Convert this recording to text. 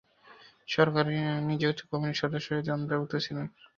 সরকার নিযুক্ত কমিটির সদস্যরাও এতে অন্তর্ভুক্ত ছিলেন।